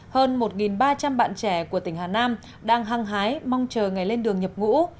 hơn một ba trăm linh bạn trẻ của tỉnh hà nam đang hăng hái mong chờ ngày lên đường nhập ngũ